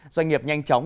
doanh nghiệp nhanh chóng